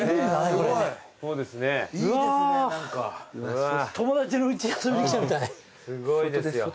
すごいですよ。